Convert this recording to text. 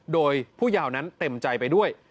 โดยผู้ยาวนั้นเต็มใจไปด้วย